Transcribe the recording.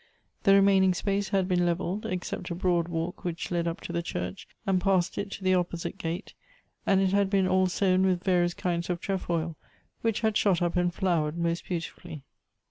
The remaining space had been levelled, except a broad walk which led up to the church, and past it to the opposite gate ; and it had been all sown with various kinds of trefoil, which had shot up and flowered most beautifully.